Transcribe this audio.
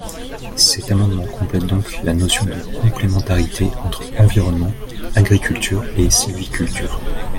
Cet amendement complète donc la notion de complémentarité entre environnement, agriculture et sylviculture.